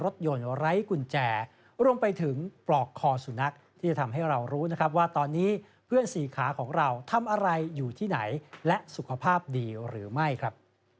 รถยนต์ไร้กุญแจรวมไปถึงปลอกคอสุนัขที่จะทำให้เรารู้นะครับว่าตอนนี้เพื่อนสี่ขาของเราทำอะไรอยู่ที่ไหนและสุขภาพดีหรือไม่ครับ